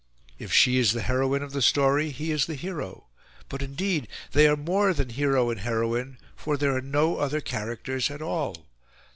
If she is the heroine of the story, he is the hero; but indeed they are more than hero and heroine, for there are no other characters at all.